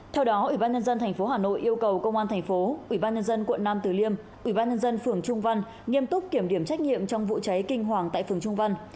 theo đó ủy ban nhân dân tp hà nội yêu cầu công an thành phố ủy ban nhân dân quận nam tử liêm ủy ban nhân dân phường trung văn nghiêm túc kiểm điểm trách nhiệm trong vụ cháy kinh hoàng tại phường trung văn